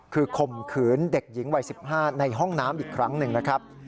คือข่มขืนเด็กหญิงวัย๑๕ในห้องน้ำอีกครั้งหนึ่งนะครับ